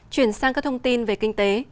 chuyển sang các thông tin về kinh tế